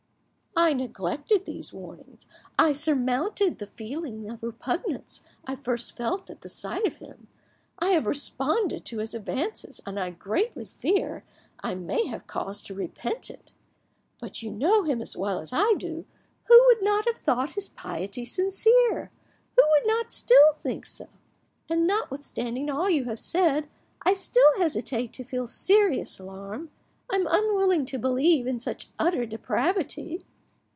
I neglected these warnings. I surmounted the feeling of repugnance I first felt at the sight of him; I have responded to his advances, and I greatly fear I may have cause to repent it. But you know him as well as I do, who would not have thought his piety sincere?—who would not still think so? And notwithstanding all you have said, I still hesitate to feel serious alarm; I am unwilling to believe in such utter depravity."